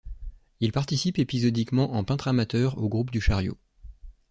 Il participe épisodiquement en peintre amateur au groupe du Chariot.